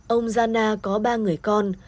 ông gia na có ba người con